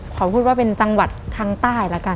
ขอพูดว่าเป็นจังหวัดทางใต้ละกัน